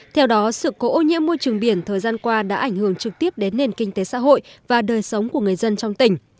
theo đó sự cố ô nhiễm môi trường biển thời gian qua đã ảnh hưởng trực tiếp đến nền kinh tế xã hội và đời sống của người dân trong tỉnh